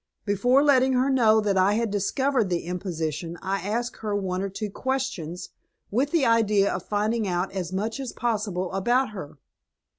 Before letting her know that I had discovered the imposition I asked her one or two questions, with the idea of finding out as much as possible about her.